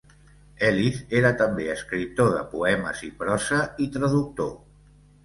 Ellis era també escriptor de poemes i prosa i traductor.